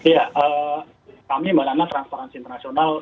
ya kami melalui transparansi internasional